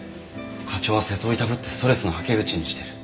課長は瀬戸をいたぶってストレスのはけ口にしてる。